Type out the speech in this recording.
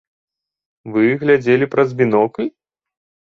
Вы глядзелі праз бінокль?